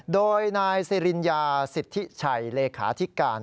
โดยนายสิริญญาสิทธิชัยเลขาธิการ